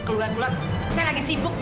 keluar keluar saya lagi sibuk